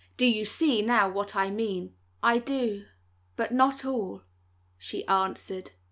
Do you see, now, what I mean?" "I do, but not all," she answered.